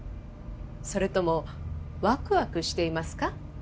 それともわくわくしていますか？